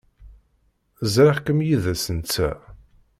Ẓriɣ-kem yid-s netta.